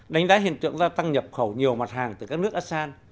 đánh đá hiện tượng ra tăng nhập khẩu nhiều mặt hàng từ các nước asean